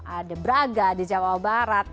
ada braga di jawa barat